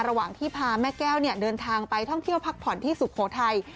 ระหว่างที่พาแม่แก้วเดินทางไปท่องเที่ยวพักผ่อนที่สุโขทัย